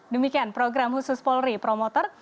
demikian program khusus polri promoter